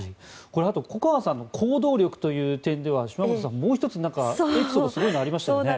あと粉川さんの行動力という点では島本さんもう１つエピソードすごいのありましたよね。